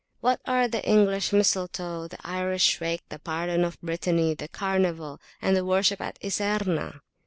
What are the English mistletoe, the Irish wake, the Pardon of Brittany, the Carnival, and the Worship at Iserna?